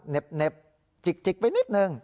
เห็บจิกไปนิดนึง